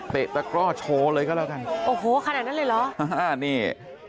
ตะกร่อโชว์เลยก็แล้วกันโอ้โหขนาดนั้นเลยเหรออ่านี่